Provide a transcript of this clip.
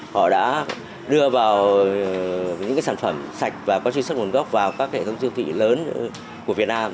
họ đã đưa vào những sản phẩm sạch và có truy xuất nguồn gốc vào các hệ thống siêu thị lớn của việt nam